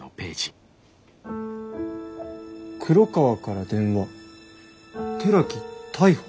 「黒川から電話寺木逮捕」。